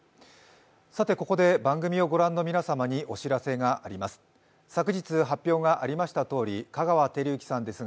さてここで、番組をご覧の皆様にお知らせがあります。